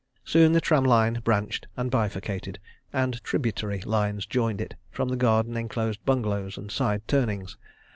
Soon the tram line branched and bifurcated, and tributary lines joined it from garden enclosed bungalows and side turnings.